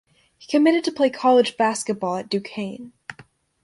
He committed to play college basketball at Duquesne.